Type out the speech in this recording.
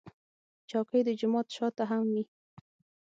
چوکۍ د جومات شا ته هم وي.